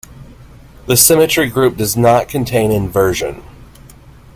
The symmetry group does not contain inversion.